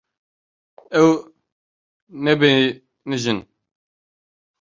Ew nebêhnijîn.